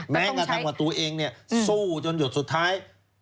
แม้กระทั่งว่าตัวเองเนี่ยสู้จนหยดสุดท้าย